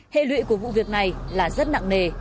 hệ lụy của vụ việc này là rất nặng nề